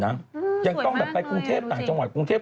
ก็ยายเขาตายเค้าเล่นเลือดแต่งงานอย่างนั้น